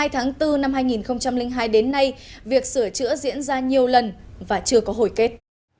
hai tháng bốn năm hai nghìn hai đến nay việc sửa chữa diễn ra nhiều lần và chưa có hồi kết